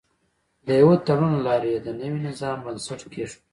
د یوه تړون له لارې یې د نوي نظام بنسټ کېښود.